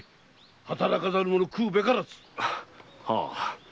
「働かざる者食うべからず」はあ。